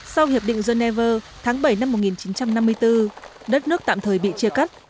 sau hiệp định geneva tháng bảy năm một nghìn chín trăm năm mươi bốn đất nước tạm thời bị chia cắt